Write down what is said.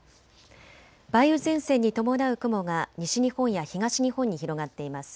梅雨前線に伴う雲が西日本や東日本に広がっています。